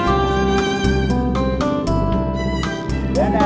pegangan kenceng ya